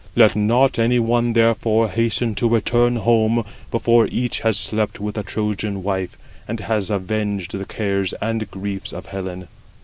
Let not any one, therefore, hasten to return home before each has slept with a Trojan wife, and has avenged the cares 108 and griefs of Helen.